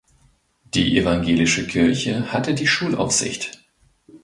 Die evangelische Kirche hatte die Schulaufsicht.